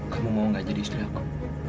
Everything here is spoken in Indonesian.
kamu mau gak jadi istri apa